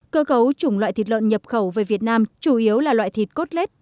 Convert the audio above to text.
cơ cấu chủng loại thịt lợn nhập khẩu về việt nam chủ yếu là loại thịt cốt lết